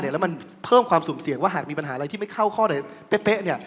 แล้วมันเพิ่มความสุ่มเสี่ยงว่าหากมีปัญหาอะไรที่ไม่เข้าข้อไหนเป๊ะ